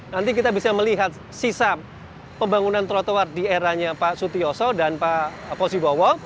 nanti kita bisa melihat sisa pembangunan trotoar di eranya pak sutiyoso dan pak posibowo